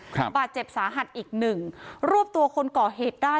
บาดเจ็บสาหัสอีกหนึ่งรวบตัวคนก่อเหตุได้